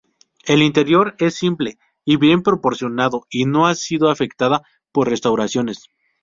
El interior es simple y bien proporcionado, y no ha sido afectado por restauraciones.